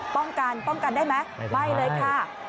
ป้องกันป้องกันได้ไหมไม่เลยค่ะ